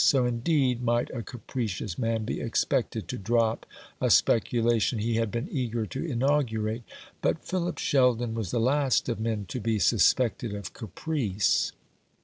So indeed might a capricious man be expected to drop a speculation he had been eager to inaugurate, but Philip Sheldon was the last of men to be suspected of caprice.